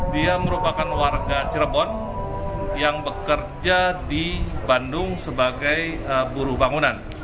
dia merupakan warga cirebon yang bekerja di bandung sebagai buruh bangunan